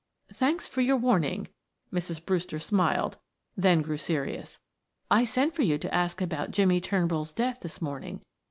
"Thanks for your warning," Mrs. Brewster smiled, then grew serious. "I sent for you to ask about Jimmie Turnbull's death this morning.